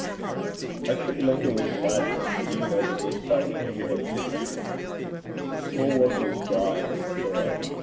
I could linger with gladness even over this part of my hero's history. If the school work was dry it was thorough.